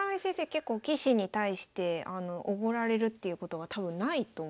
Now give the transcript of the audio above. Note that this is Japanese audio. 結構棋士に対しておごられるっていうことが多分ないと思うんですよ。